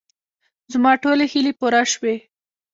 زما ټولې هیلې پوره شوې.